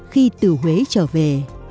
khi từ huế trở về